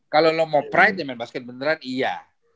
kalo lo mau pride main basket beneran iya